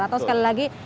atau sekali lagi